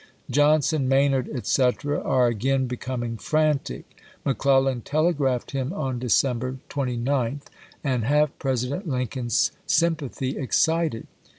"Johnson, Maynard, etc., are again becoming frantic," Mc Clellan telegraphed him on December 29th, "and have President Lincoln's sympathy excited.